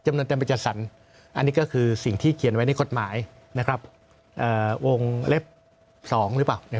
อันนี้ก็คือสิ่งที่เขียนไว้ในกฎหมายนะครับวงเล็บ๒หรือเปล่า